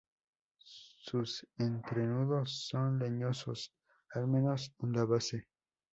Sus entrenudos son leñosos al menos en la base.